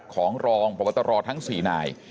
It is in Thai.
ของรองประวัตรทั้ง๔หน่าย